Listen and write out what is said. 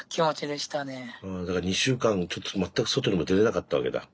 だから２週間ちょっと全く外にも出れなかったわけだ。